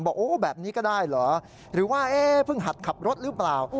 โอ้แบบนี้ก็ได้เหรอหรือว่าเพิ่งหัดขับรถหรือเปล่า